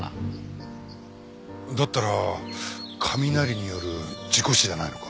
だったら雷による事故死じゃないのか？